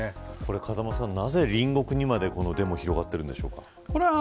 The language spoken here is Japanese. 風間さん、なぜ隣国にまでデモが広がっているんでしょうか。